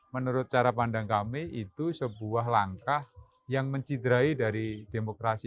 menurut cara pandang kami itu sebuah langkah yang mencidrai dari demokrasi